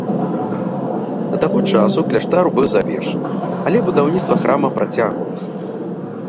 Да таго часу кляштар быў завершаны, але будаўніцтва храма працягвалася.